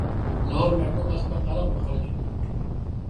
Lahore metro bus پر ارب خرچ ہوئے